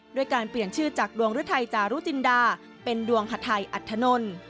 ด้วยการเปลี่ยนชื่อจากดวงฤทัยจารุจินดาเป็นดวงฮัทไทยอัธนล